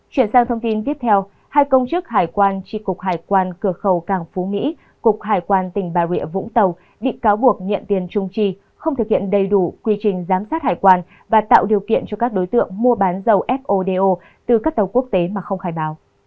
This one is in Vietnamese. chuyển sang thông tin tiếp theo hai công chức hải quan tri cục hải quan cửa khẩu càng phú mỹ cục hải quan tỉnh bà rịa vũng tàu bị cáo buộc nhận tiền trung trì không thực hiện đầy đủ quy trình giám sát hải quan và tạo điều kiện cho các đối tượng mua bán dầu fodo từ các tàu quốc tế mà không khai báo